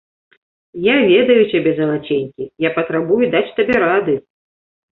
Я ведаю цябе, залаценькі, я патрабую даць табе рады.